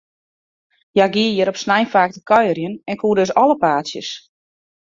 Hja gie hjir op snein faak te kuierjen, en koe dus alle paadsjes.